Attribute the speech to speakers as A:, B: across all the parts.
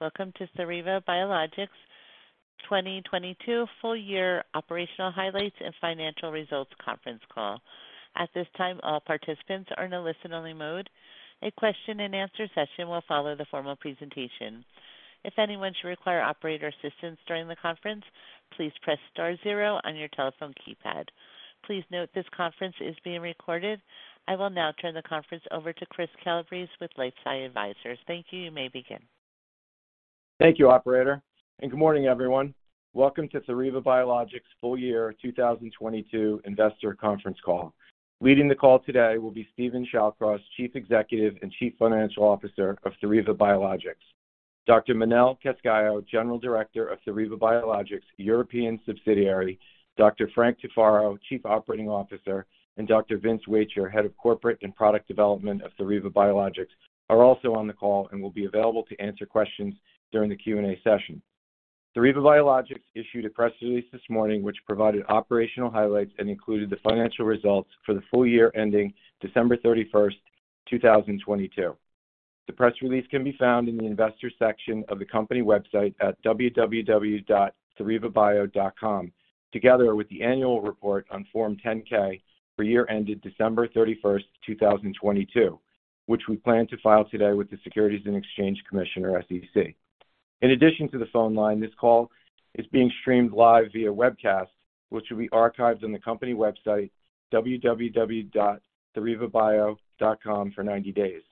A: Welcome to Theriva Biologics' 2022 Full Year Operational Highlights and Financial Results Conference Call. At this time, all participants are in a listen-only mode. A question and answer session will follow the formal presentation. If anyone should require operator assistance during the conference, please press star zero on your telephone keypad. Please note this conference is being recorded. I will now turn the conference over to Chris Calabrese with LifeSci Advisors. Thank you. You may begin.
B: Thank you, operator, and good morning, everyone. Welcome to Theriva Biologics' Full Year 2022 Investor Conference Call. Leading the call today will be Steven Shallcross, Chief Executive and Chief Financial Officer of Theriva Biologics. Dr. Manel Cascalló, General Director of Theriva Biologics' European subsidiary, Dr. Frank Tufaro, Chief Operating Officer, and Dr. Vince Wacher, Head of Corporate and Product Development of Theriva Biologics, are also on the call and will be available to answer questions during the Q&A session. Theriva Biologics issued a press release this morning which provided operational highlights and included the financial results for the full year ending December 31st, 2022. The press release can be found in the investors section of the company website at www.therivabio.com, together with the annual report on Form 10-K for year ended December 31st, 2022, which we plan to file today with the Securities and Exchange Commission, SEC. In addition to the phone line, this call is being streamed live via webcast, which will be archived on the company website, www.therivabio.com, for 90 days.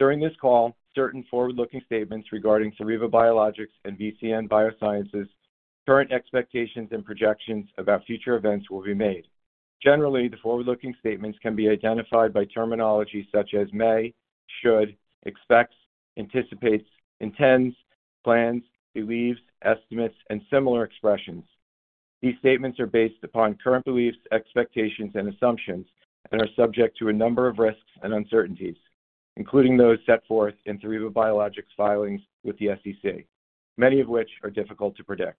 B: During this call, certain forward-looking statements regarding Theriva Biologics and VCN Biosciences' current expectations and projections about future events will be made. Generally, the forward-looking statements can be identified by terminology such as may, should, expects, anticipates, intends, plans, believes, estimates, and similar expressions. These statements are based upon current beliefs, expectations, and assumptions and are subject to a number of risks and uncertainties, including those set forth in Theriva Biologics' filings with the SEC, many of which are difficult to predict.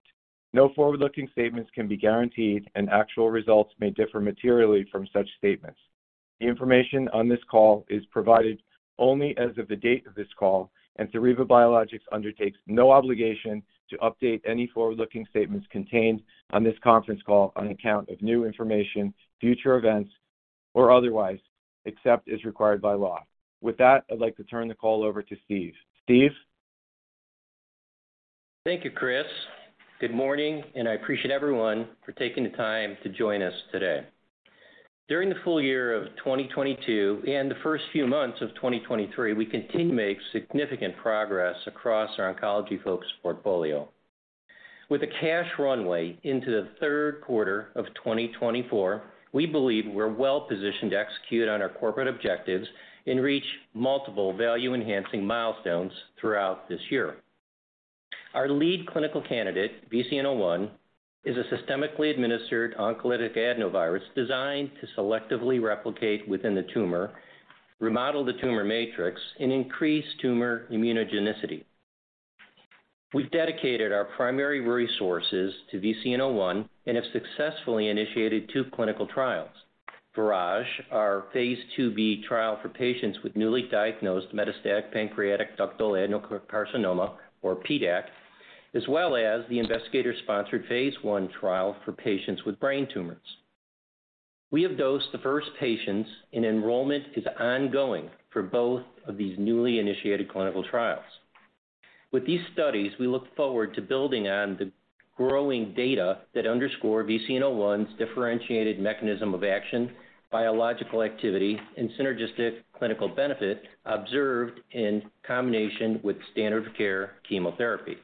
B: No forward-looking statements can be guaranteed, and actual results may differ materially from such statements. The information on this call is provided only as of the date of this call, and Theriva Biologics undertakes no obligation to update any forward-looking statements contained on this conference call on account of new information, future events, or otherwise, except as required by law. With that, I'd like to turn the call over to Steve. Steve?
C: Thank you, Chris. Good morning, I appreciate everyone for taking the time to join us today. During the full year of 2022 and the first few months of 2023, we continue to make significant progress across our oncology-focused portfolio. With the cash runway into the 3rd quarter of 2024, we believe we're well-positioned to execute on our corporate objectives and reach multiple value-enhancing milestones throughout this year. Our lead clinical candidate, VCN-01, is a systemically administered oncolytic adenovirus designed to selectively replicate within the tumor, remodel the tumor matrix, and increase tumor immunogenicity. We've dedicated our primary resources to VCN-01 and have successfully initiated two clinical trials. VIRAGE, our phase II-B trial for patients with newly diagnosed metastatic pancreatic ductal adenocarcinoma, or PDAC, as well as the investigator-sponsored phase I trial for patients with brain tumors. We have dosed the first patients, and enrollment is ongoing for both of these newly initiated clinical trials. With these studies, we look forward to building on the growing data that underscore VCN-01's differentiated mechanism of action, biological activity, and synergistic clinical benefit observed in combination with standard of care chemotherapy.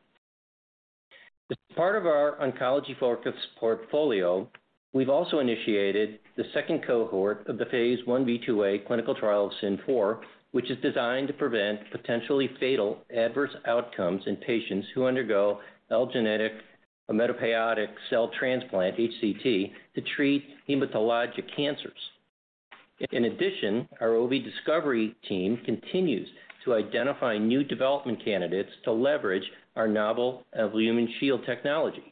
C: As part of our oncology-focused portfolio, we've also initiated the second cohort of the phase I-B/II-A clinical trial of SYN-004, which is designed to prevent potentially fatal adverse outcomes in patients who undergo allogeneic hematopoietic cell transplant, HCT, to treat hematologic cancers. Our OV discovery team continues to identify new development candidates to leverage our novel Albumin Shield technology.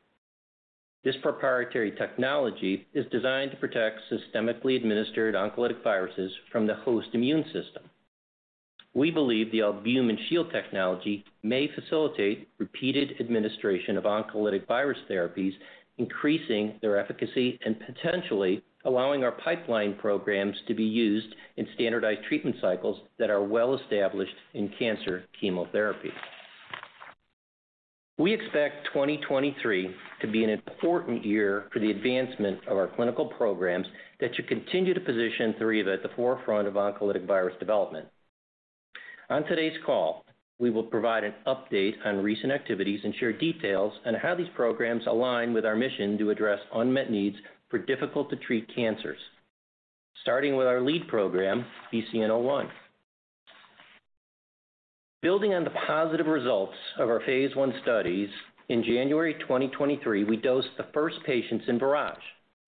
C: This proprietary technology is designed to protect systemically administered oncolytic viruses from the host immune system. We believe the Albumin Shield technology may facilitate repeated administration of oncolytic virus therapies, increasing their efficacy and potentially allowing our pipeline programs to be used in standardized treatment cycles that are well established in cancer chemotherapy. We expect 2023 to be an important year for the advancement of our clinical programs that should continue to position Theriva at the forefront of oncolytic virus development. On today's call, we will provide an update on recent activities and share details on how these programs align with our mission to address unmet needs for difficult to treat cancers, starting with our lead program, VCN-01. Building on the positive results of our phase I studies, in January 2023, we dosed the first patients in VIRAGE,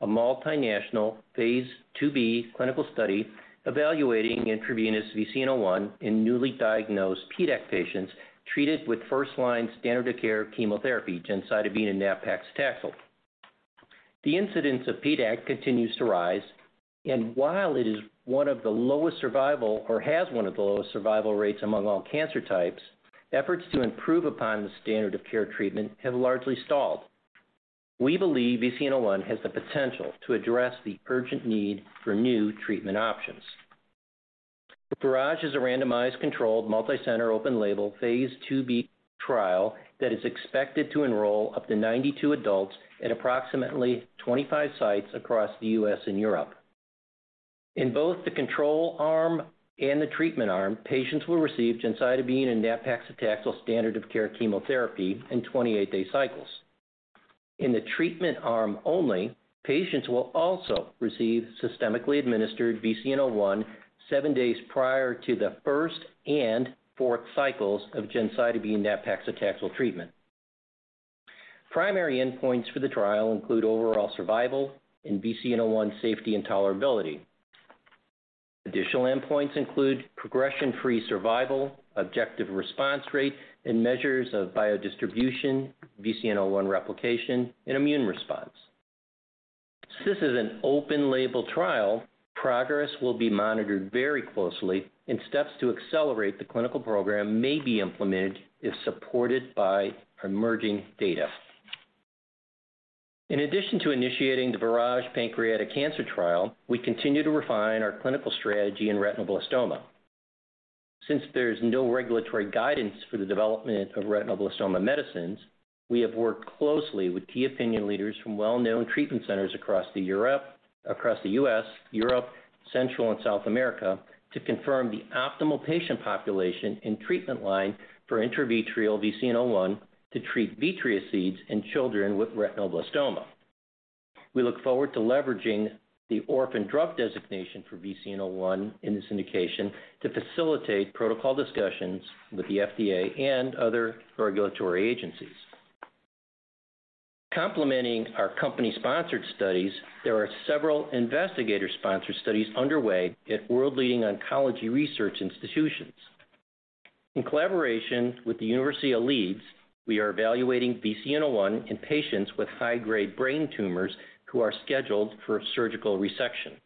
C: a multinational phase II-B clinical study evaluating intravenous VCN-01 in newly diagnosed PDAC patients treated with first-line standard of care chemotherapy, gemcitabine and nab-paclitaxel. The incidence of PDAC continues to rise, while it is one of the lowest survival or has one of the lowest survival rates among all cancer types, efforts to improve upon the standard of care treatment have largely stalled. We believe VCN-01 has the potential to address the urgent need for new treatment options. The VIRAGE is a randomized, controlled, multicenter, open-label, phase II-B trial that is expected to enroll up to 92 adults at approximately 25 sites across the U.S. and Europe. In both the control arm and the treatment arm, patients will receive gemcitabine and nab-paclitaxel standard of care chemotherapy in 28 day cycles. In the treatment arm only, patients will also receive systemically administered VCN-01 seven days prior to the first and fourth cycles of gemcitabine nab-paclitaxel treatment. Primary endpoints for the trial include overall survival and VCN-01 safety and tolerability. Additional endpoints include progression-free survival, objective response rate, and measures of biodistribution, VCN-01 replication and immune response. Since this is an open label trial, progress will be monitored very closely and steps to accelerate the clinical program may be implemented if supported by emerging data. In addition to initiating the VIRAGE pancreatic cancer trial, we continue to refine our clinical strategy in retinoblastoma. Since there's no regulatory guidance for the development of retinoblastoma medicines, we have worked closely with key opinion leaders from well-known treatment centers across the U.S., Europe, Central and South America to confirm the optimal patient population and treatment line for intravitreal VCN-01 to treat vitreous seeds in children with retinoblastoma. We look forward to leveraging the orphan drug designation for VCN-01 in this indication to facilitate protocol discussions with the FDA and other regulatory agencies. Complementing our company-sponsored studies, there are several investigator-sponsored studies underway at world-leading oncology research institutions. In collaboration with the University of Leeds, we are evaluating VCN-01 in patients with high-grade brain tumors who are scheduled for surgical resection.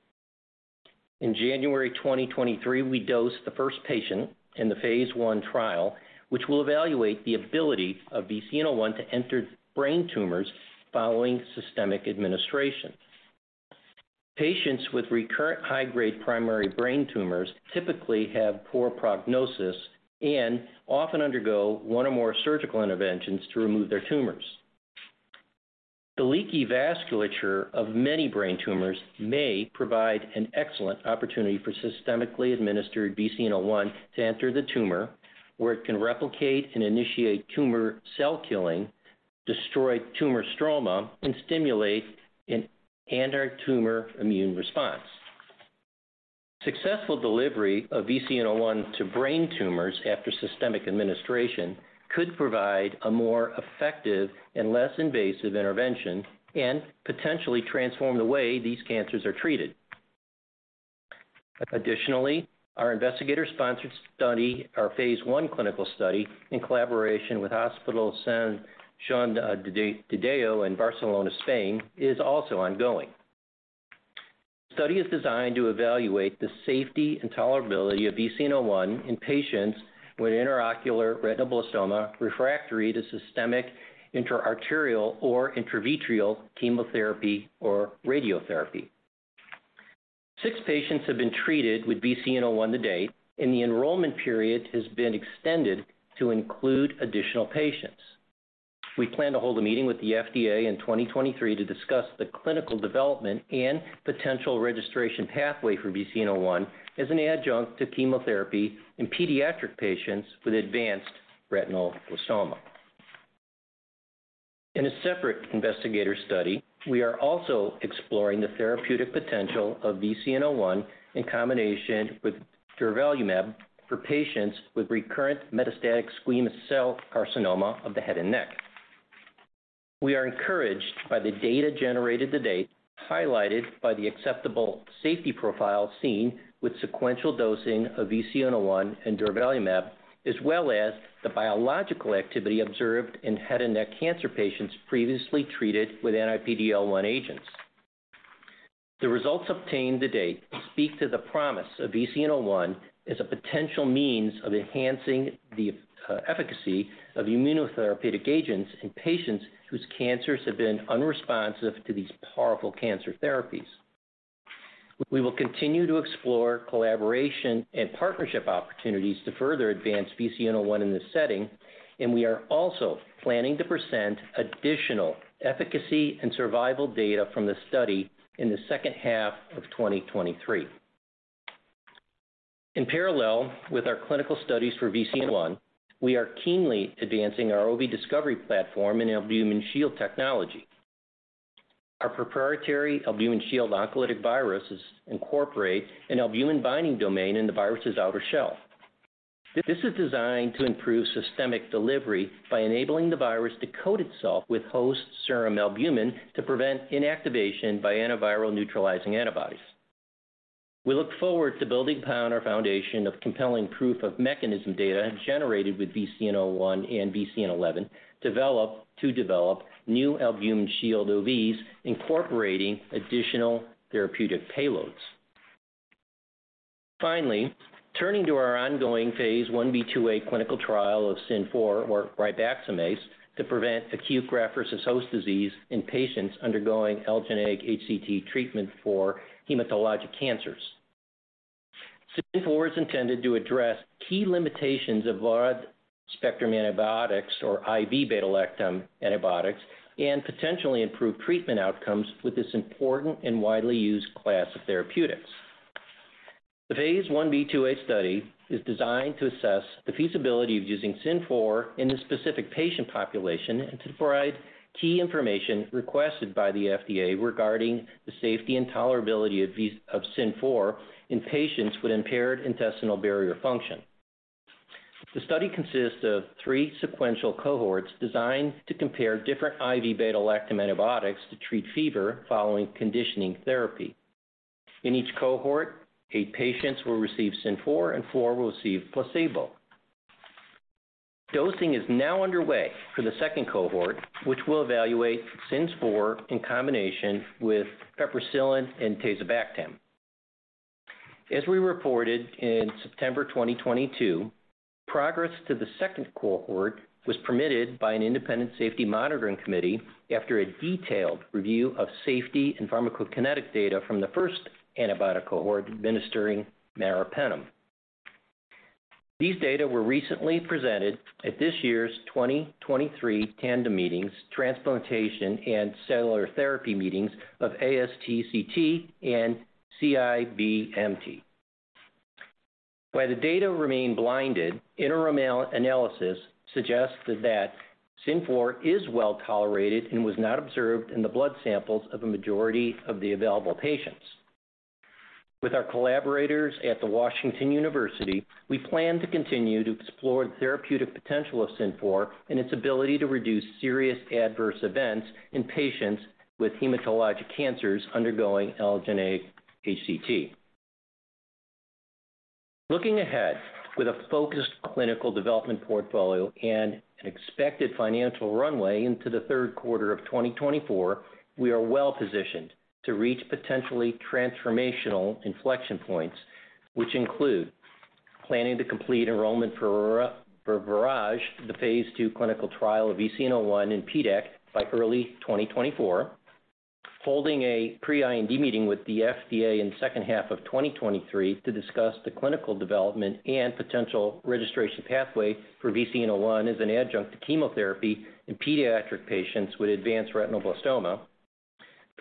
C: In January 2023, we dosed the first patient in the phase I trial, which will evaluate the ability of VCN-01 to enter brain tumors following systemic administration. Patients with recurrent high-grade primary brain tumors typically have poor prognosis and often undergo one or more surgical interventions to remove their tumors. The leaky vasculature of many brain tumors may provide an excellent opportunity for systemically administered VCN-01 to enter the tumor, where it can replicate and initiate tumor cell killing, destroy tumor stroma, and stimulate an anti-tumor immune response. Successful delivery of VCN-01 to brain tumors after systemic administration could provide a more effective and less invasive intervention and potentially transform the way these cancers are treated. Additionally, our investigator-sponsored study, our phase I clinical study, in collaboration with Hospital Sant Joan de Déu in Barcelona, Spain, is also ongoing. The study is designed to evaluate the safety and tolerability of VCN-01 in patients with intraocular retinoblastoma refractory to systemic intra-arterial or intravitreal chemotherapy or radiotherapy. Six patients have been treated with VCN-01 to date, and the enrollment period has been extended to include additional patients. We plan to hold a meeting with the FDA in 2023 to discuss the clinical development and potential registration pathway for VCN-01 as an adjunct to chemotherapy in pediatric patients with advanced retinoblastoma. In a separate investigator study, we are also exploring the therapeutic potential of VCN-01 in combination with durvalumab for patients with recurrent metastatic squamous cell carcinoma of the head and neck. We are encouraged by the data generated to date, highlighted by the acceptable safety profile seen with sequential dosing of VCN-01 and durvalumab, as well as the biological activity observed in head and neck cancer patients previously treated with anti-PD-L1 agents. The results obtained to date speak to the promise of VCN-01 as a potential means of enhancing the efficacy of immunotherapeutic agents in patients whose cancers have been unresponsive to these powerful cancer therapies. We will continue to explore collaboration and partnership opportunities to further advance VCN-01 in this setting, and we are also planning to present additional efficacy and survival data from the study in the second half of 2023. In parallel with our clinical studies for VCN-01, we are keenly advancing our OV discovery platform and Albumin Shield technology. Our proprietary Albumin Shield oncolytic viruses incorporate an albumin-binding domain in the virus's outer shell. This is designed to improve systemic delivery by enabling the virus to coat itself with host serum albumin to prevent inactivation by antiviral neutralizing antibodies. We look forward to building upon our foundation of compelling proof of mechanism data generated with VCN-01 and VCN-11, to develop new Albumin Shield OVs incorporating additional therapeutic payloads. Finally, turning to our ongoing phase I-B/II-A clinical trial of SYN-004 or ribaxamase to prevent acute graft-versus-host disease in patients undergoing allogeneic HCT treatment for hematologic cancers. SYN-004 is intended to address key limitations of broad-spectrum antibiotics or IV beta-lactam antibiotics, and potentially improve treatment outcomes with this important and widely used class of therapeutics. The phase I-B/II-A study is designed to assess the feasibility of using SYN-004 in this specific patient population and to provide key information requested by the FDA regarding the safety and tolerability of SYN-004 in patients with impaired intestinal barrier function. The study consists of three sequential cohorts designed to compare different IV beta-lactam antibiotics to treat fever following conditioning therapy. In each cohort, eight patients will receive SYN-004 and four will receive placebo. Dosing is now underway for the second cohort, which will evaluate SYN-004 in combination with piperacillin and tazobactam. As we reported in September 2022, progress to the second cohort was permitted by an independent safety monitoring committee after a detailed review of safety and pharmacokinetic data from the first antibiotic cohort administering meropenem. These data were recently presented at this year's 2023 TANDEM Meetings, Transplantation and Cellular Therapy Meetings of ASTCT and CIBMTR. While the data remain blinded, interim analysis suggests that SYN-004 is well-tolerated and was not observed in the blood samples of a majority of the available patients. With our collaborators at the Washington University, we plan to continue to explore the therapeutic potential of SYN-004 and its ability to reduce serious adverse events in patients with hematologic cancers undergoing allogeneic HCT. Looking ahead, with a focused clinical development portfolio and an expected financial runway into the third quarter of 2024, we are well-positioned to reach potentially transformational inflection points, which include planning to complete enrollment for VIRAGE, the phase II clinical trial of VCN-01 in PDAC by early 2024. Holding a pre-IND meeting with the FDA in the second half of 2023 to discuss the clinical development and potential registration pathway for VCN-01 as an adjunct to chemotherapy in pediatric patients with advanced retinoblastoma.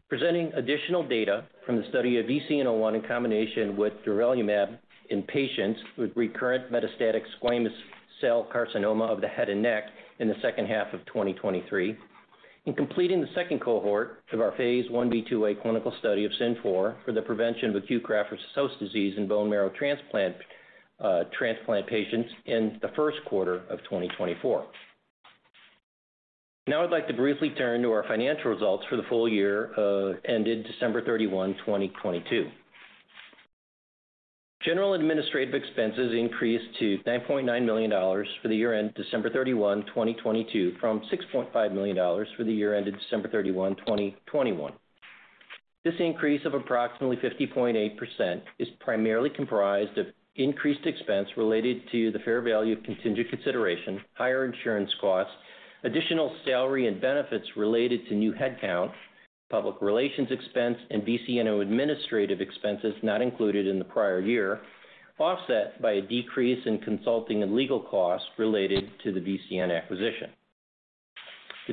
C: Presenting additional data from the study of VCN-01 in combination with durvalumab in patients with recurrent metastatic squamous cell carcinoma of the head and neck in the second half of 2023. Completing the second cohort of our phase I-B/II-A clinical study of SYN-004 for the prevention of acute graft-versus-host disease in bone marrow transplant transplant patients in the first quarter of 2024. Now I'd like to briefly turn to our financial results for the full year ended December 31, 2022. General administrative expenses increased to $9.9 million for the year ended December 31, 2022, from $6.5 million for the year ended December 31, 2021. This increase of approximately 50.8% is primarily comprised of increased expense related to the fair value of contingent consideration, higher insurance costs, additional salary and benefits related to new headcount, public relations expense, and VCN administrative expenses not included in the prior year, offset by a decrease in consulting and legal costs related to the VCN acquisition.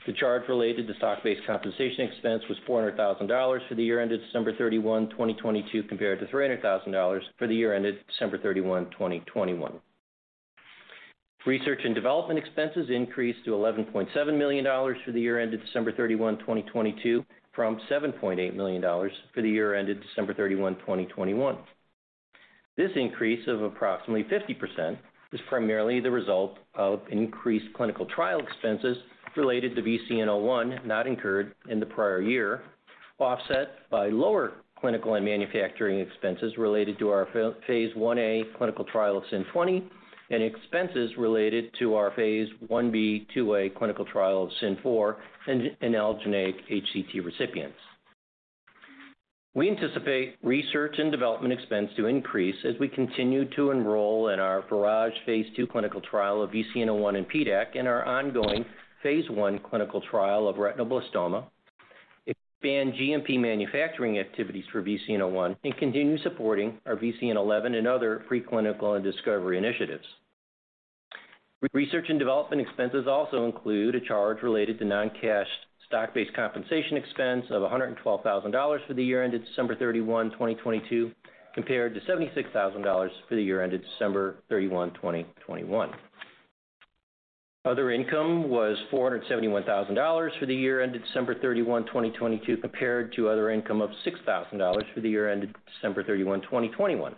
C: The charge related to stock-based compensation expense was $400,000 for the year ended December 31, 2022, compared to $300,000 for the year ended December 31, 2021. Research and development expenses increased to $11.7 million for the year ended December 31, 2022, from $7.8 million for the year ended December 31, 2021. This increase of approximately 50% is primarily the result of increased clinical trial expenses related to VCN-01 not incurred in the prior year, offset by lower clinical and manufacturing expenses related to our phase I-A clinical trial of SYN-020, and expenses related to our phase I-B/II-A clinical trial of SYN-004 in allogeneic HCT recipients. We anticipate research and development expense to increase as we continue to enroll in our VIRAGE phase II clinical trial of VCN-01 in PDAC and our ongoing phase I clinical trial of retinoblastoma. Expand GMP manufacturing activities for VCN-01, and continue supporting our VCN-11 and other preclinical and discovery initiatives. Research and development expenses also include a charge related to non-cash stock-based compensation expense of $112,000 for the year ended December 31, 2022, compared to $76,000 for the year ended December 31, 2021. Other income was $471,000 for the year ended December 31, 2022, compared to other income of $6,000 for the year ended December 31, 2021.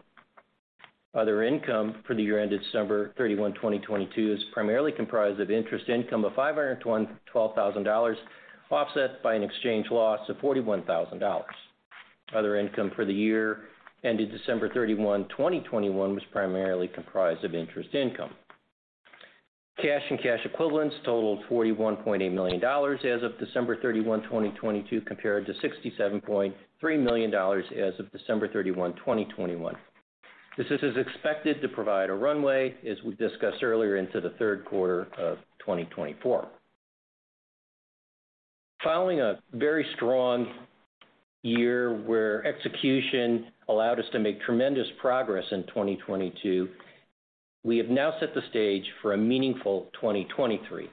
C: Other income for the year ended December 31, 2022 is primarily comprised of interest income of $512,000, offset by an exchange loss of $41,000. Other income for the year ended December 31, 2021 was primarily comprised of interest income. Cash and cash equivalents totaled $41.8 million as of December 31, 2022 compared to $67.3 million as of December 31, 2021. This is as expected to provide a runway, as we discussed earlier, into the third quarter of 2024. Following a very strong year where execution allowed us to make tremendous progress in 2022, we have now set the stage for a meaningful 2023.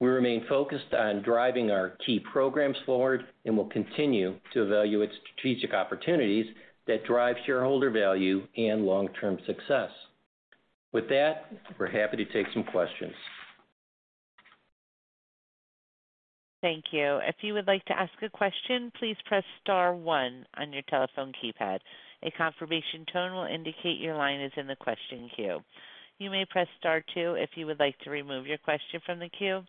C: We remain focused on driving our key programs forward and will continue to evaluate strategic opportunities that drive shareholder value and long-term success. With that, we're happy to take some questions.
A: Thank you. If you would like to ask a question, please press star one on your telephone keypad. A confirmation tone will indicate your line is in the question queue. You may press star two if you would like to remove your question from the queue.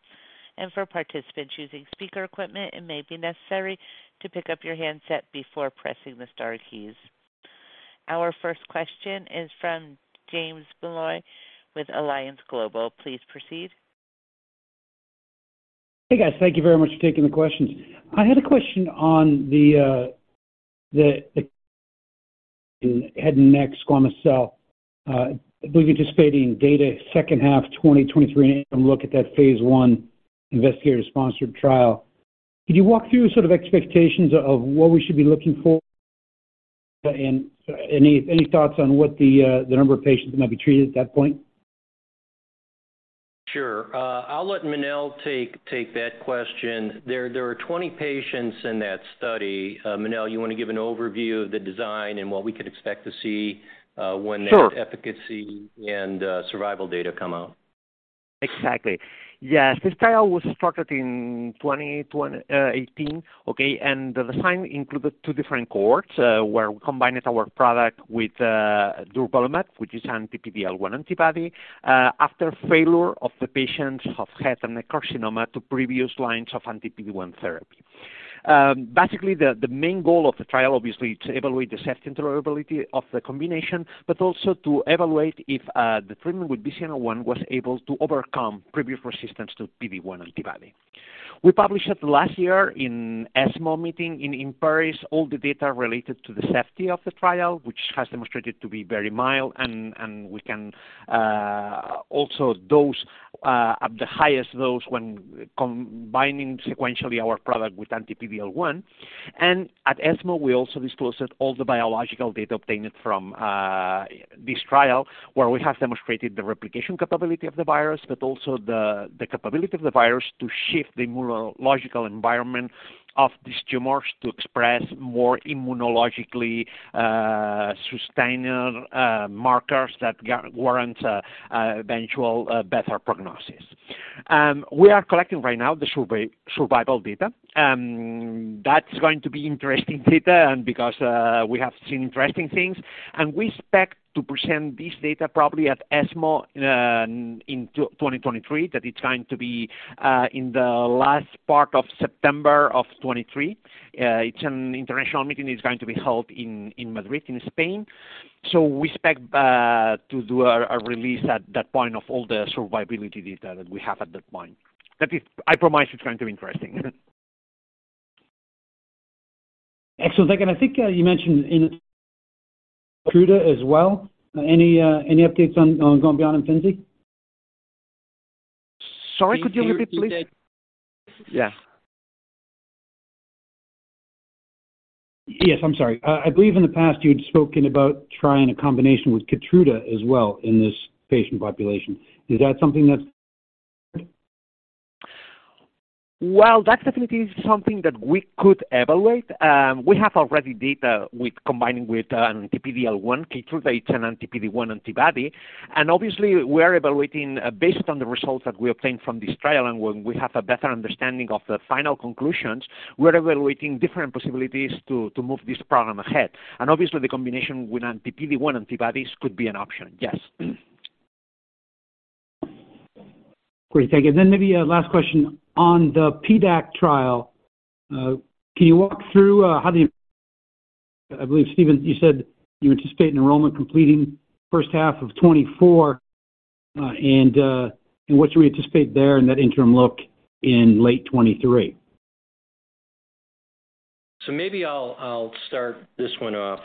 A: For participants using speaker equipment, it may be necessary to pick up your handset before pressing the star keys. Our first question is from James Molloy with Alliance Global. Please proceed.
D: Hey, guys. Thank you very much for taking the questions. I had a question on the head and neck squamous cell. I believe anticipating data second half 2023 and look at that phase I investigator-sponsored trial. Could you walk through sort of expectations of what we should be looking for and any thoughts on what the number of patients that might be treated at that point?
C: Sure. I'll let Manel take that question. There are 20 patients in that study. Manel, you want to give an overview of the design and what we could expect to see?
E: Sure.
C: Efficacy and survival data come out.
E: Exactly. Yes, this trial was started in 2018, okay? The design included two different cohorts, where we combined our product with durvalumab, which is an anti-PD-L1 antibody, after failure of the patients of head and neck carcinoma to previous lines of anti-PD-L1 therapy. Basically, the main goal of the trial obviously to evaluate the safety and tolerability of the combination, also to evaluate if the treatment with VCN-01 was able to overcome previous resistance to PD-L1 antibody. We published it last year in ESMO meeting in Paris, all the data related to the safety of the trial, which has demonstrated to be very mild, and we can also dose at the highest dose when combining sequentially our product with anti-PD-L1. At ESMO, we also disclosed all the biological data obtained from this trial, where we have demonstrated the replication capability of the virus, but also the capability of the virus to shift the immunological environment of these tumors to express more immunologically sustained markers that warrant eventual better prognosis. We are collecting right now the survival data. That's going to be interesting data and because we have seen interesting things and we expect to present this data probably at ESMO in 2023, that it's going to be in the last part of September of 2023. It's an international meeting, it's going to be held in Madrid, in Spain. We expect to do a release at that point of all the survivability data that we have at that point. I promise it's going to be interesting.
D: Excellent. Thank you. I think, you mentioned in Keytruda as well. Any updates on combining Imfinzi?
E: Sorry, could you repeat please?
D: Yes. Yes, I'm sorry. I believe in the past you'd spoken about trying a combination with Keytruda as well in this patient population. Is that something that's?
E: Well, that definitely is something that we could evaluate. We have already data with combining with an anti-PD-L1 Keytruda. It's an anti-PD-L1 antibody. Obviously we're evaluating based on the results that we obtained from this trial and when we have a better understanding of the final conclusions, we're evaluating different possibilities to move this program ahead. Obviously the combination with anti-PD-L1 antibodies could be an option. Yes.
D: Great. Thank you. Maybe a last question. On the PDAC trial, can you walk through? I believe, Steven, you said you anticipate enrollment completing first half of 2024, and what should we anticipate there in that interim look in late 2023?
C: Maybe I'll start this one off.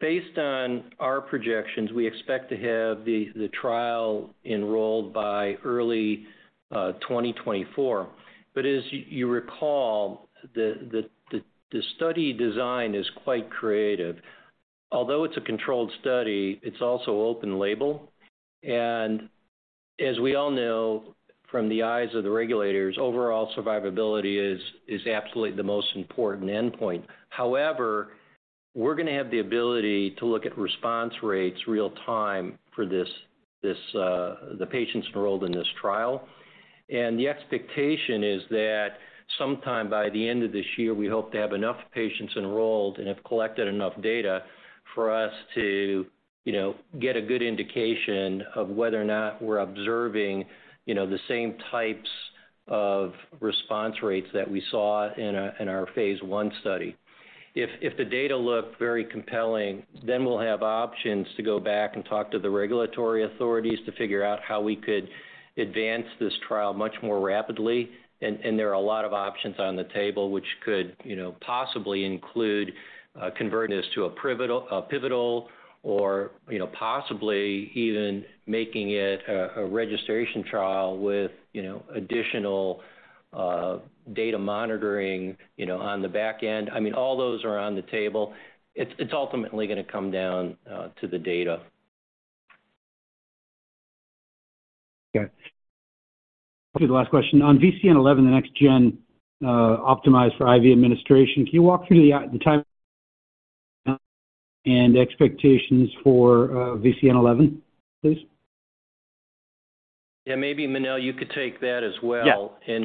C: Based on our projections, we expect to have the trial enrolled by early 2024. As you recall, the study design is quite creative. Although it's a controlled study, it's also open label. As we all know from the eyes of the regulators, overall survivability is absolutely the most important endpoint. However, we're gonna have the ability to look at response rates real-time for this the patients enrolled in this trial. The expectation is that sometime by the end of this year, we hope to have enough patients enrolled and have collected enough data for us to, you know, get a good indication of whether or not we're observing, you know, the same types of response rates that we saw in our phase I study. If the data look very compelling, then we'll have options to go back and talk to the regulatory authorities to figure out how we could advance this trial much more rapidly. There are a lot of options on the table which could, you know, possibly include converting this to a pivotal or, you know, possibly even making it a registration trial with, you know, additional data monitoring, you know, on the back end. I mean, all those are on the table. It's, it's ultimately gonna come down to the data.
D: Okay. This'll be the last question. On VCN-11, the next gen, optimized for IV administration, can you walk through the timeline and expectations for VCN-11, please?
C: Yeah. Maybe, Manel, you could take that as well.
E: Yeah.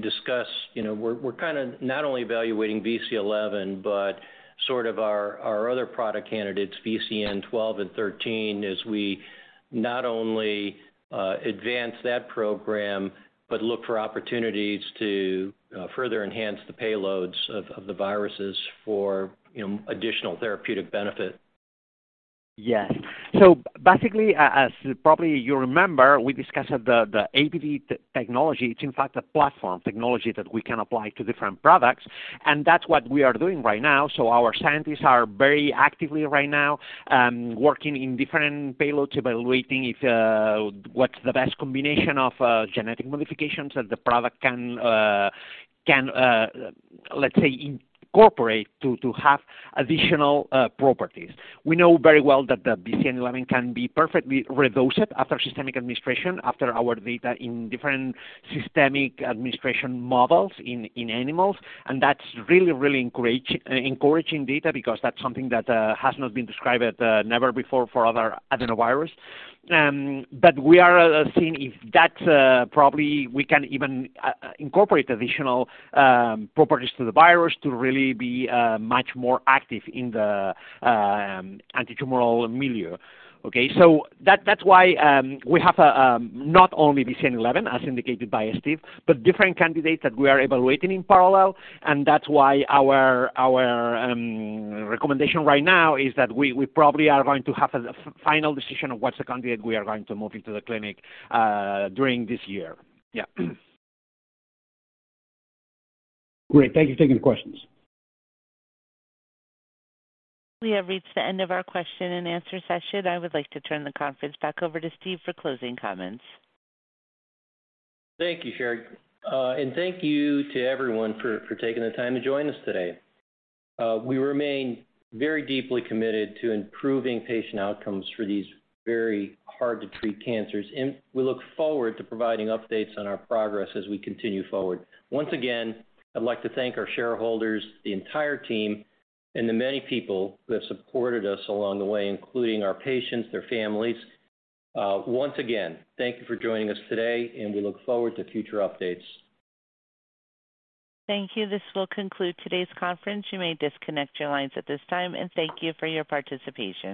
C: Discuss. You know, we're kinda not only evaluating VCN-11, but sort of our other product candidates, VCN-12 and VCN-13, as we not only advance that program, but look for opportunities to further enhance the payloads of the viruses for, you know, additional therapeutic benefit.
E: Yes. Basically, as probably you remember, we discussed the APD technology. It's in fact a platform technology that we can apply to different products, and that's what we are doing right now. Our scientists are very actively right now, working in different payloads evaluating if, what's the best combination of genetic modifications that the product can, let's say, incorporate to have additional properties. We know very well that the VCN-11 can be perfectly redosed after systemic administration after our data in different systemic administration models in animals. That's really, really encouraging data because that's something that has not been described at never before for other adenovirus. We are seeing if that, probably we can even incorporate additional properties to the virus to really be much more active in the antitumoral milieu. Okay? That's why we have not only VCN-11, as indicated by Steve, but different candidates that we are evaluating in parallel. That's why our recommendation right now is that we probably are going to have a final decision on what's the candidate we are going to move into the clinic during this year. Yeah.
D: Great. Thank you for taking the questions.
A: We have reached the end of our question-and-answer session. I would like to turn the conference back over to Steve for closing comments.
C: Thank you, Sherry. Thank you to everyone for taking the time to join us today. We remain very deeply committed to improving patient outcomes for these very hard-to-treat cancers, and we look forward to providing updates on our progress as we continue forward. Once again, I'd like to thank our shareholders, the entire team, and the many people who have supported us along the way, including our patients, their families. Once again, thank you for joining us today, and we look forward to future updates.
A: Thank you. This will conclude today's conference. You may disconnect your lines at this time. Thank you for your participation.